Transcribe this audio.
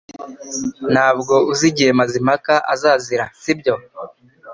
Ntabwo uzi igihe Mazimpaka azazira sibyo